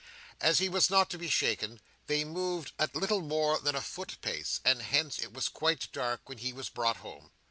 As he was not to be shaken, they moved at little more than a foot pace; and hence it was quite dark when he was brought home.